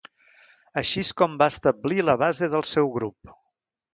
Així es com va establir la base del seu grup.